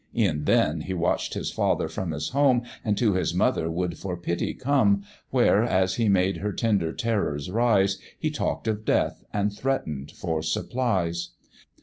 E'en then he watch'd his father from his home, And to his mother would for pity come, Where, as he made her tender terrors rise, He talk'd of death, and threaten'd for supplies.